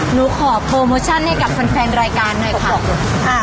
หนูขอโปรโมชั่นให้กับแฟนรายการหน่อยค่ะ